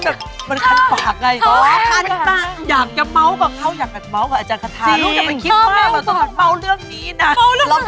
คุณแม่คันอะไรอ่ะคุณแม่ขันขึ้นมาแล้วแม่เป็นอะไรแม่คัน